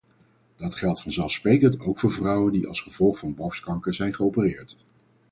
Dat geldt vanzelfsprekend ook voor vrouwen die als gevolg van borstkanker zijn geopereerd.